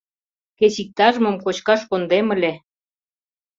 Кеч иктаж-мом кочкаш кондем ыле».